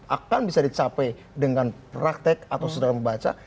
akan bisa dicapai dengan praktek atau saudara membaca